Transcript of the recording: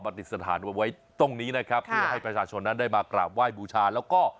ปฏิสถานไว้ตรงนี้นะครับเพื่อให้ประชาชนนั้นได้มากราบไหว้บูชาแล้วก็